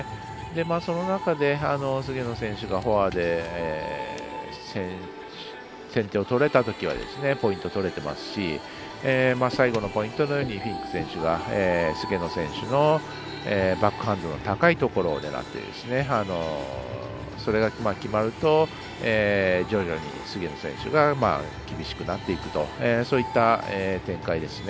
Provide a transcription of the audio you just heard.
その中で菅野選手がフォアで先手を取れたときはポイントが取れていますし最後のポイントのようにフィンク選手が菅野選手のバックハンドの高いところを狙ってそれが決まると徐々に菅野選手が厳しくなっていくとそういった展開ですね。